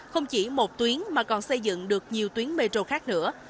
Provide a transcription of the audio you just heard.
không chỉ một tuyến mà còn xây dựng được nhiều tuyến metro khác nữa